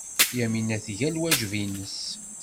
Yamina tga lwajeb-nnes.